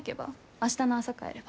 明日の朝帰れば？